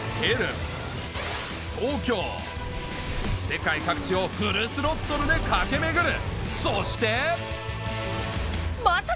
世界各地をフルスロットルで駆け巡るそして！